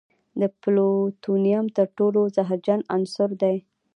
د پلوتونیم تر ټولو زهرجن عنصر دی.